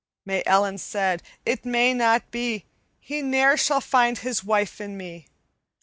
May Ellen said, 'It may not be. He ne'er shall find his wife in me.'